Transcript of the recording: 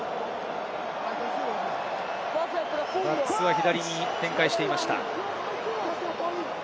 バックスは左に展開していました。